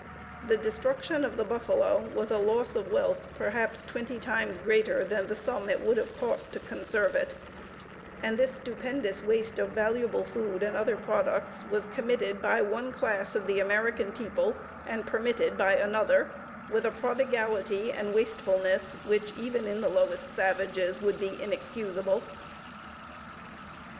The destruction of the buffalo was a loss of wealth perhaps twenty times greater than the sum it would have cost to conserve it, and this stupendous waste of valuable food and other products was committed by one class of the American people and permitted by another with a prodigality and wastefulness which even in the lowest savages would be inexcusable.